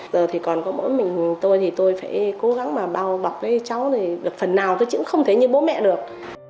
giờ thì còn có mỗi mình tôi thì tôi phải cố gắng mà bao bọc cái cháu này phần nào tôi chứ cũng không thấy như bố mẹ được